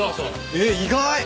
えっ意外。